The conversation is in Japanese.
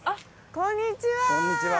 こんにちは。